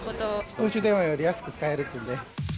公衆電話より安く使えるって言うんで。